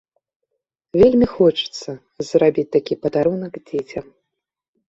Вельмі хочацца зрабіць такі падарунак дзецям.